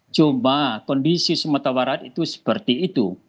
cuma kondisi sumatera barat itu seperti itu